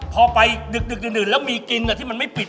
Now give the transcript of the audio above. พอไปดึกดื่นแล้วมีกินที่มันไม่ปิด